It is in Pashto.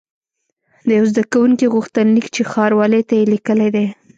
د یوه زده کوونکي غوښتنلیک چې ښاروالۍ ته یې لیکلی دی.